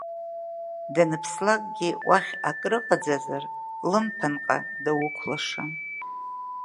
Даныԥслакгьы уахь акрыҟаӡазар, лымԥынҟа дауқәлаша.